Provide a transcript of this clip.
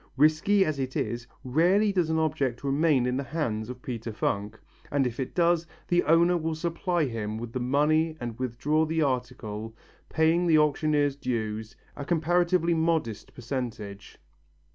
Risky as it is, rarely does an object remain in the hands of Peter Funk, and if it does, the owner will supply him with the money and withdraw the article, paying the auctioneer's dues, a comparatively modest percentage.